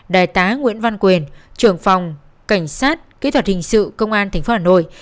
đại tá nguyễn văn quyền trưởng phòng cảnh sát kỹ thuật hình sự công an tp hà nội